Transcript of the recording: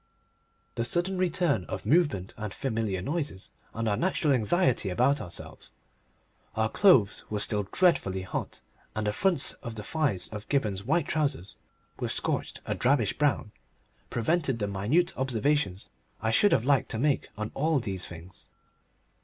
The sudden return of movement and familiar noises, and our natural anxiety about ourselves (our clothe's were still dreadfully hot, and the fronts of the thighs of Gibberne's white trousers were scorched a drabbish brown), prevented the minute observations I should have liked to make on all these things.